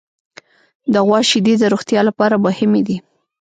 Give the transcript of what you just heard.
د غوا شیدې د روغتیا لپاره مهمې دي.